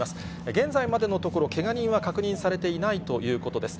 現在までのところ、けが人は確認されていないということです。